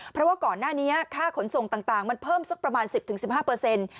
เพราะว่าก่อนหน้านี้ค่าขนส่งต่างมันเพิ่มสักประมาณ๑๐๑๕เปอร์เซ็นต์